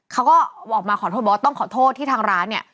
เขาก็ออกมาขอโทษบอกว่าต้องขอโทษที่ทางร้านเนี่ย